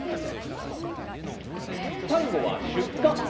最後は出荷。